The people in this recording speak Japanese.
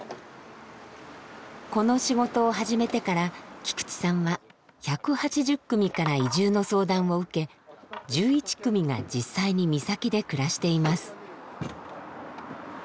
この仕事を始めてから菊地さんは１８０組から移住の相談を受け１１組が実際に三崎で暮らしています。